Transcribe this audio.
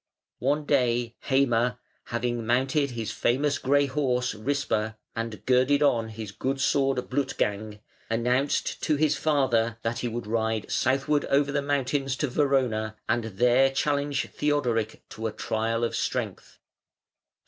One day Heime, having mounted his famous grey horse Rispa, and girded on his good sword Blutgang, announced to his father that he would ride southward over the mountains to Verona, and there challenge Theodoric to a trial of strength.